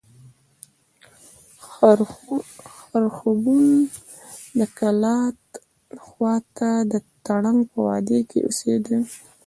خرښبون د کلات خوا ته د ترنک په وادي کښي اوسېدئ.